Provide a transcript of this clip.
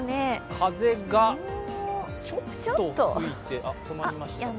風がちょっと吹いて止まりましたかね。